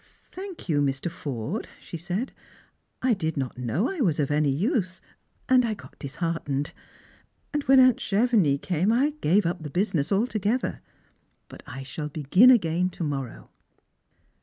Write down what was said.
"Thank you, Mr. Forde," she said; "I did not know I was of any use, and I got disheartened; and when aunt Chevenix came, I gave the busiaess up altogether* But [ shall begin again to morrow."